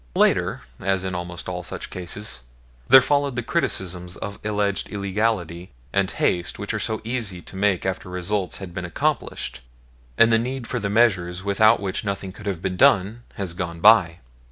Later, as in almost all such cases, there followed the criticisms of alleged illegality and haste which are so easy to make after results have been accomplished and the need for the measures without which nothing could have been done has gone by.